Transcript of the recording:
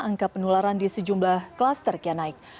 angka penularan di sejumlah kluster kenaik